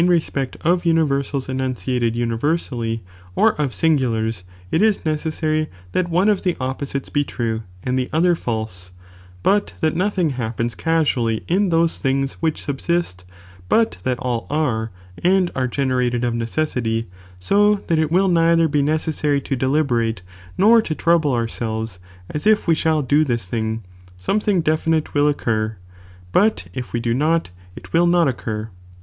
'"*'"^ respect of uuivcrsals enunciated universally, or of singulars, it is necessary tliat one of the op posites be true and the other false, but that nothing happens casually in those things which subsist, but that all are, and are generated of necessity ; so that it will neither be necessary to deliberate nor to trouble ourselves, as if we shall do this thing, something definite will occur, but if we do not, it will not occur.